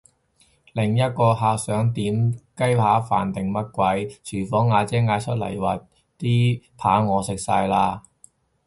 另一個客想點雞扒飯定乜鬼，廚房阿姐嗌出嚟話啲扒我食晒嘞！